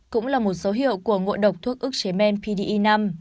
cũng là một dấu hiệu của ngộ độc thuốc ức chế men pdi năm